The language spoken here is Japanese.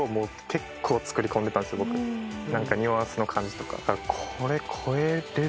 何かニュアンスの感じとか。